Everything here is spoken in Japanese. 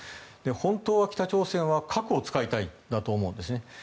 本当は北朝鮮は核を使いたいんだと思うんですね。